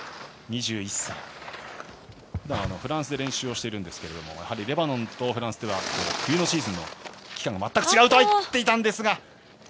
２１歳フランスで練習をしていますがレバノンとフランスでは冬のシーズンの期間が全く違うと言っていたんですが。